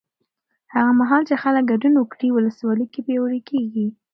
هغه مهال چې خلک ګډون وکړي، ولسواکي پیاوړې کېږي.